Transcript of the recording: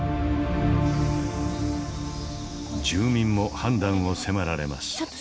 住民も判断を迫られます。